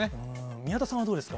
宮田さんはどうですか？